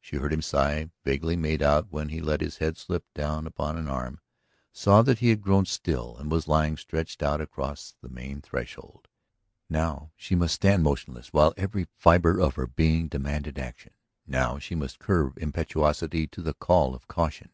She heard him sigh, vaguely made out when he let his head slip down upon an arm, saw that he had grown still, and was lying stretched out across the main threshold. Now she must stand motionless while every fibre of her being demanded action; now she must curb impetuosity to the call of caution.